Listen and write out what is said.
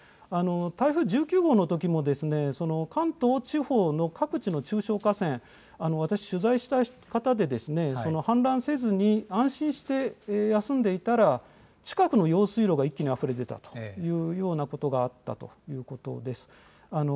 台風１９号のときも、関東地方の各地の中小河川、私、取材した方で、氾濫せずに安心して休んでいたら、近くの用水路が一気にあふれ出たというようなことがあったということです。